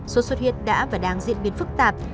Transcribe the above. sốt xuất huyết đã và đang diễn biến phức tạp